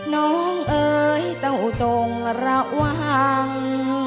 น้องเอ๋ยต้องจงระวัง